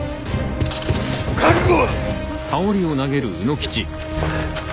覚悟！